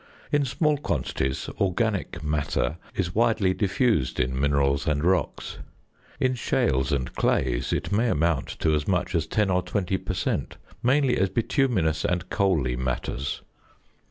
In small quantities "organic matter" is widely diffused in minerals and rocks. In shales and clays it may amount to as much as 10 or 20 per cent. (mainly as bituminous and coaly matters).